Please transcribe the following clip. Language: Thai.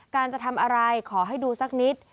การจะทำอะไรขอให้ดูสักนิด